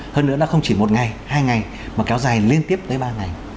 hơn nữa nó không chỉ một ngày hai ngày mà kéo dài liên tiếp tới ba ngày